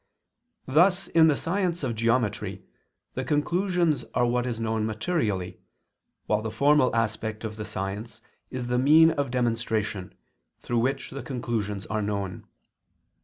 Thus in the science of geometry, the conclusions are what is known materially, while the formal aspect of the science is the mean of demonstration, through which the conclusions are known.